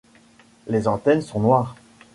Les antennes sont noires.